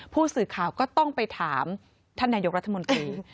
ผู้สื่อข่าวก็ต้องไปถามท่านนายกรัฐมนตรี